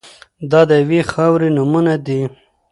دا د یوې خاورې نومونه دي.